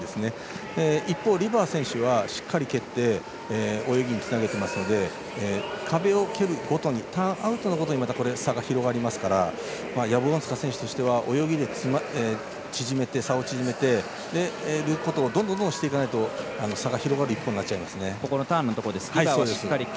一方、リバー選手はしっかり蹴って泳ぎにつなげてますので壁を蹴るごとにターンアウトのごとに差が広がりますからヤブウォンスカ選手としては泳ぎで差を縮めていくことをどんどんしていかないと差が広がる一方です。